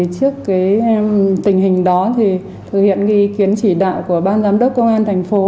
trước tình hình đó thì thực hiện ý kiến chỉ đạo của ban giám đốc công an thành phố